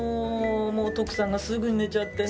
もう徳さんがすぐに寝ちゃってね。